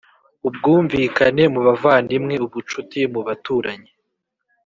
ubwumvikane mu bavandimwe, ubucuti mu baturanyi,